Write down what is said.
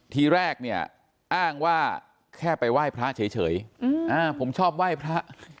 ทีแรกเนี่ยอ้างว่าแค่ไปไหว้พระเฉยผมชอบไหว้พระ